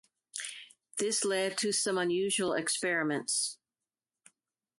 This led to some unusual experiments.